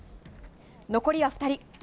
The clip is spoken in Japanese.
残りは２人。